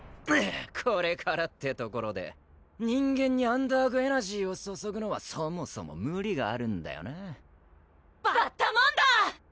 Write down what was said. これからってところで人間にアンダーグ・エナジーを注ぐのはそもそも無理があるんだよなぁ・バッタモンダー！